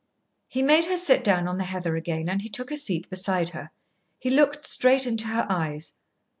He made her sit down on the heather again, and he took a seat beside her. He looked straight into her eyes.